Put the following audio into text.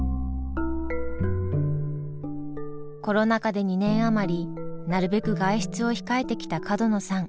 コロナ禍で２年余りなるべく外出を控えてきた角野さん。